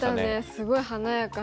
すごい華やかで。